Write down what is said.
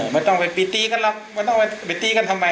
ไม่ต้องไปไปตีกันหรอกไม่ต้องไปตีกันทำไม